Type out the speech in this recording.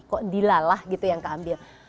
kok dilalah gitu yang keambil